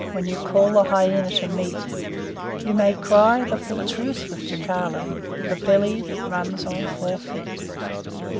when ye call the Hyena to meat, Ye may cry the Full Truce with Jacala the Belly that runs on four feet.